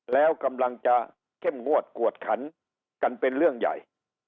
แล้วกำลังจะเข้มงวดกวดขันกันเป็นเรื่องใหญ่